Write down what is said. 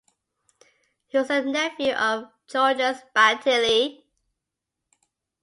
He was the nephew of Georges Bataille.